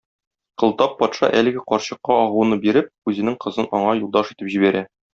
Кылтап патша әлеге карчыкка агуны биреп, үзенең кызын аңа юлдаш итеп җибәрә.